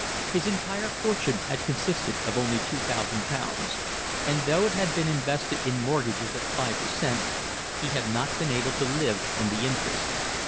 His entire fortune had consisted of only two thousand pounds, and though it had been invested in mortgages at five per cent, he had not been able to live on the interest.